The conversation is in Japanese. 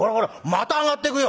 「また上がっていくよ」。